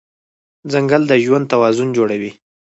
ځنګل د ژوند توازن جوړوي.